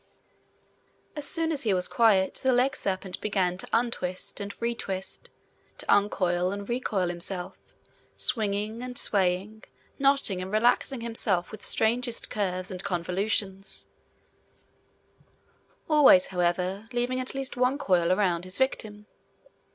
As soon as he was quiet the legserpent began to untwist and retwist, to uncoil and recoil himself, swinging and swaying, knotting and relaxing himself with strangest curves and convolutions, always, however, leaving at least one coil around his victim.